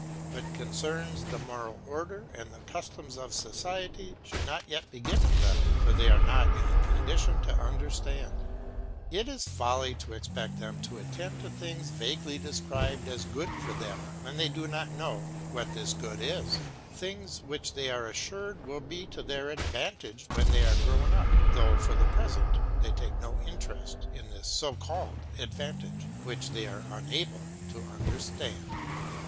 What concerns the moral order and the customs of society should not yet be given them, for they are not in a condition to understand it. It is folly to expect them to attend to things vaguely described as good for them, when they do not know what this good is, things which they are assured will be to their advantage when they are grown up, though for the present they take no interest in this so called advantage, which they are unable to understand.